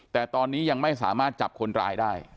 แต่ตอนนี้ยังไม่สามารถจับคนร้ายได้